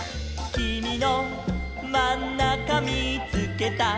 「きみのまんなかみーつけた」